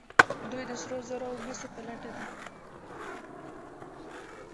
دوی د سرو زرو او مسو په لټه دي.